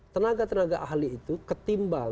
tenaga tenaga ahli itu ketimbang